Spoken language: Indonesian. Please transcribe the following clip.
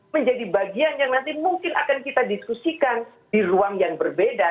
menjadi bagian yang nanti mungkin akan kita diskusikan di ruang yang berbeda